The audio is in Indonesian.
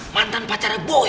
mantan pacarnya boy